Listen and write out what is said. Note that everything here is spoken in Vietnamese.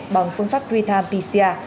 bằng phương pháp retime pcr